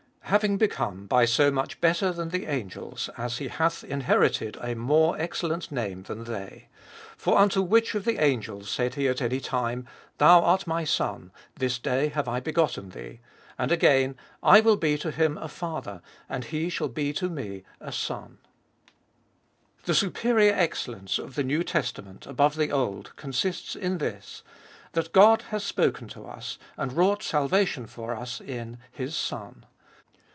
Having become by so much better than the angels, as he hath inherited, a more excellent name than they. 5. For unto which of the angels said he at any time, Thou art my Son, This day have I begotten thee P and again, I will be to him a Father, And he shall be to me a SonP THE superior excellence of the New Testament above the Old consists in this, that God has spoken to us, and wrought salvation for us in, His Son.